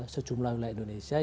sejumlah wilayah indonesia